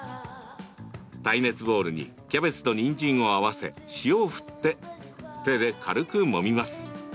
耐熱ボウルにキャベツとにんじんを合わせ塩を振って手で軽くもみます。